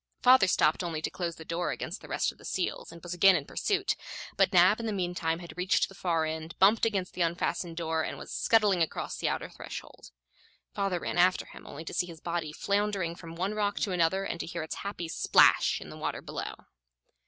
Father stopped only to close the door against the rest of the seals, and was again in pursuit; but Nab in the meantime had reached the far end, bumped against the unfastened door and was scuttling across the outer threshold. Father ran after him, only to see his body floundering from one rock to another and to hear its happy splash in the water below.